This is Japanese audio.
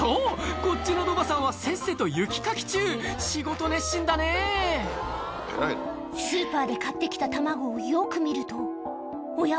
こっちのロバさんはせっせと雪かき中仕事熱心だねぇスーパーで買って来た卵をよく見るとおや？